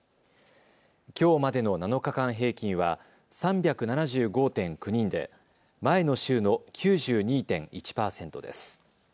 きょうまでの７日間平均は３７５．９人で前の週の９２．１％です。